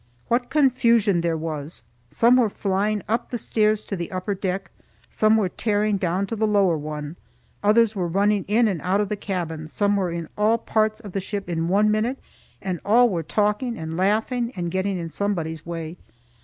What confusion there was! Some were flying up the stairs to the upper deck, some were tearing down to the lower one, others were running in and out of the cabins, some were in all parts of the ship in one minute, and all were talking and laughing and getting in somebody's way.